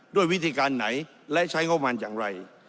ด้วยวิธีการไหนและใช้งบประมาณอย่างไร